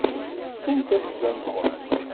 Tettumt asga-nwent.